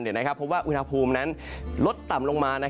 เพราะว่าอุณหภูมินั้นลดต่ำลงมา